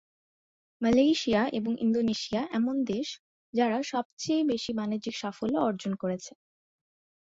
Malaysia এবং Indonesia এমন দেশ হয়েছে যেখানে তিনি সবচেয়ে বাণিজ্যিক সাফল্য অর্জন করেছেন।